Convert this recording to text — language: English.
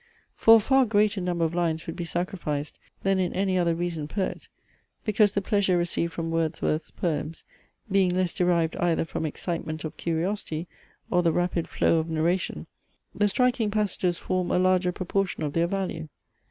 For a far greater number of lines would be sacrificed than in any other recent poet; because the pleasure received from Wordsworth's poems being less derived either from excitement of curiosity or the rapid flow of narration, the striking passages form a larger proportion of their value.